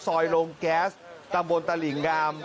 โรงแก๊สตำบลตลิ่งงาม